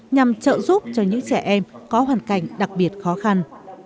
nhằm trợ giúp cho những trẻ em có hoàn cảnh đặc biệt khó khăn